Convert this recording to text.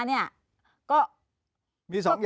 มี๒อย่าง